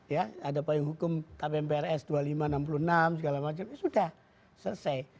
ya ada paling hukum kpmprs dua ribu lima ratus enam puluh enam segala macam ya sudah selesai